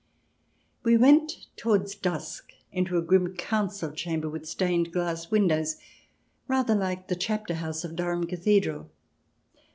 We went, towards dusk, into a grim council chamber with stained glass windows rather like the chapter house of Durham Cathedral.